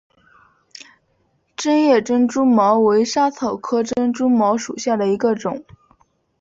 轮叶珍珠茅为莎草科珍珠茅属下的一个种。